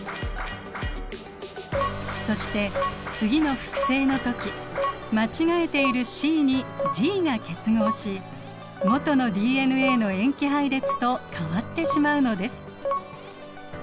そして次の複製の時間違えているＣにＧが結合し元のＤＮＡの塩基配列と変わってしまうのです。